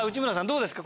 どうですか？